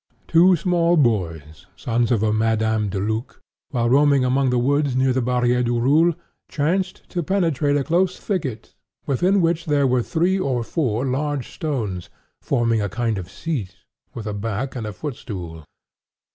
Two small boys, sons of a Madame Deluc, while roaming among the woods near the Barrière du Roule, chanced to penetrate a close thicket, within which were three or four large stones, forming a kind of seat, with a back and footstool.